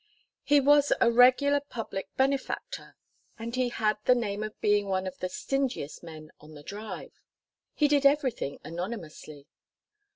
He was a regular public benefactor and he had the name of being one of the stingiest men on the Drive. He did everything anonymously.